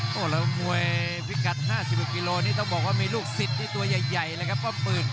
โถ่แล้วมวยภิกตร๕๐กิโลจ์ต้องบอกว่ามีลูกศิษย์ที่ตัวใหญ่แล้วนะครับป้อมปืน